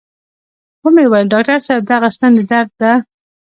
و مې ويل ډاکتر صاحب دغه ستن د درد ده.